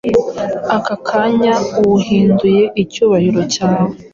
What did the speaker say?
aka kanya uwuhinduye 'icyubahiro cyawe'?